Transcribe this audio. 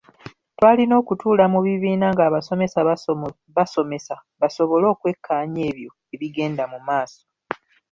Twalina okutuula mu bibiina ng’abasomesa basomesa basobole okwekkaanya ebyo ebigenda mu maaso.